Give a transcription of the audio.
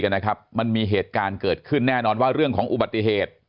มันมีเหตุการณ์เกิดขึ้นแน่นอนว่าเรื่องของอุบัติเหตุ